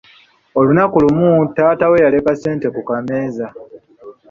Olunaku olumu, taata we yaleka sente ku mmeeza.